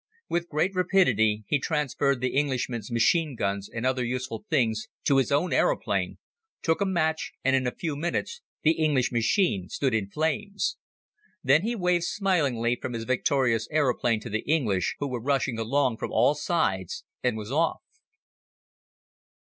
With great rapidity he transferred the Englishman's machine guns and other useful things to his own aeroplane, took a match and in a few minutes the English machine stood in flames. Then he waved smilingly from his victorious aeroplane to the English who were rushing along from all sides and was off.